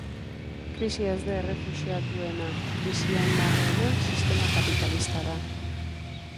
Krisia ez da errefuxiatuena, krisian dagoena sistema kapitalista da.